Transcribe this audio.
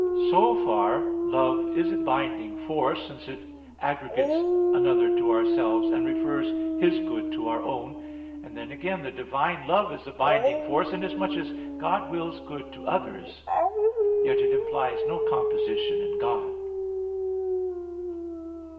So far love is a binding force, since it aggregates another to ourselves, and refers his good to our own. And then again the divine love is a binding force, inasmuch as God wills good to others; yet it implies no composition in God.